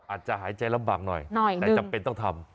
อาจจะหายใจลำบากหน่อยแต่จำเป็นต้องทำ